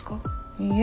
いいえ。